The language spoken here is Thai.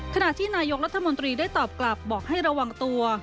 ขณะที่นายกรัฐมนตรีได้ตอบกลับบอกให้ระวังตัว